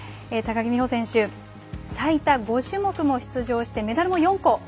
高木美帆選手、最多５種目も出場して、メダルも４個。